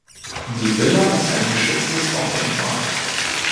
Die Villa ist ein geschütztes Baudenkmal.